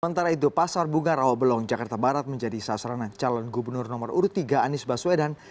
sementara itu pasar bunga rawabelong jakarta barat menjadi sasaran calon gubernur nomor urut tiga anies baswedan